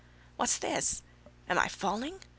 "What's this? Am I falling?